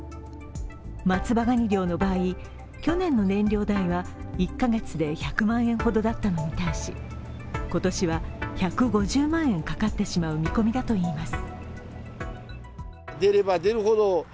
松葉ガニ漁の場合、去年の燃料代は１ヶ月で１００万円ほどだったのに対し、今年は１５０万円かかってしまう見込みだといいます。